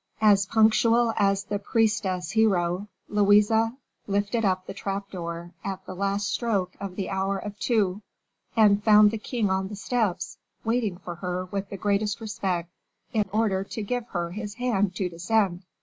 As punctual as the priestess Hero, Louise lifted up the trap door at the last stroke of the hour of two, and found the king on the steps, waiting for her with the greatest respect, in order to give her his hand to descend.